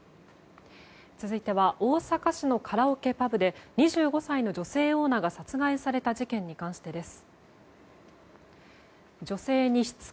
続いては大阪市のカラオケパブで２５歳の女性オーナーが殺害された事件に関してです。